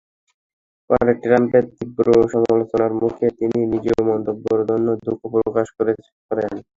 পরে ট্রাম্পের তীব্র সমালোচনার মুখে তিনি নিজ মন্তব্যের জন্য দুঃখ প্রকাশ করেন।